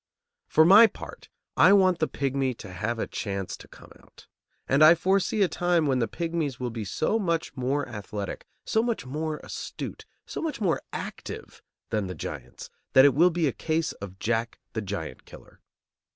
For my part, I want the pigmy to have a chance to come out. And I foresee a time when the pigmies will be so much more athletic, so much more astute, so much more active, than the giants, that it will be a case of Jack the giant killer.